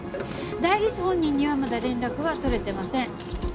代議士本人にはまだ連絡は取れてません。